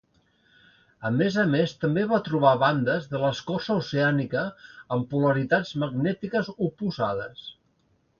A més a més també va trobar bandes de l'escorça oceànica amb polaritats magnètiques oposades.